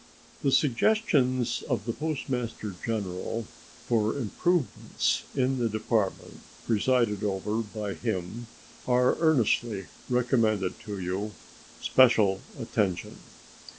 The suggestions of the Postmaster General for improvements in the Department presided over by him are earnestly recommended to you, special attention.